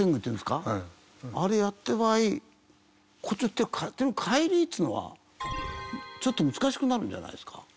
あれやった場合こっちの手返りっていうのはちょっと難しくなるんじゃないですか？